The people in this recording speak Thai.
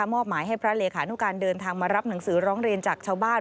มอบหมายให้พระเลขานุการเดินทางมารับหนังสือร้องเรียนจากชาวบ้าน